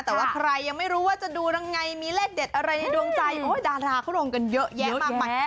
แต่ว่าใครยังไม่รู้ว่าจะดูยังไงมีเลขเด็ดอะไรในดวงใจดาราเขาลงกันเยอะแยะมากมาย